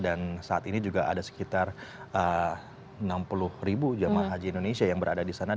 dan saat ini juga ada sekitar enam puluh ribu jemaah haji indonesia yang berada disana